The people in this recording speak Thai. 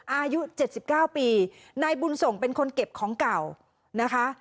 อายุ๗๙ปีนายบุญส่งเป็นคนเก็บของเก่านะคะ